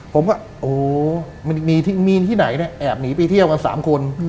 ผมก็โอเคมีที่ไหนไหนเนี่ยแอบหนีไปเที่ยวกันสามคน